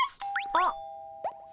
あっ。